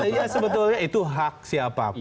ya sebetulnya itu hak siapapun